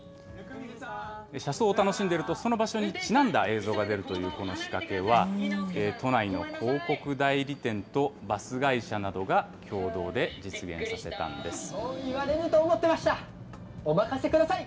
車窓を楽しんでいると、その場所にちなんだ映像が出るというこの仕掛けは、都内の広告代理店とバス会社などが共同で実現させたんです。